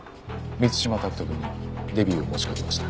満島拓斗くんにデビューを持ちかけました。